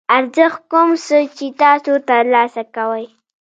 ارزښت کوم څه چې تاسو ترلاسه کوئ.